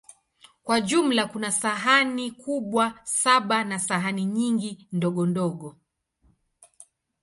Kwa jumla, kuna sahani kubwa saba na sahani nyingi ndogondogo.